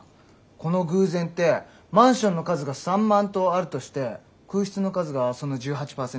この偶然ってマンションの数が３万棟あるとして空室の数がその１８％ぐらい？